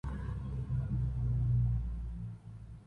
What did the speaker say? Incluso la Catedral, terminada poco tiempo antes, resultó arruinada.